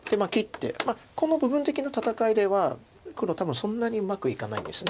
この部分的な戦いでは黒多分そんなにうまくいかないんです。